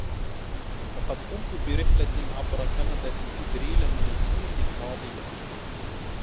لقد قمت برحلة عبر كندا في ابريل من السنة الماضية.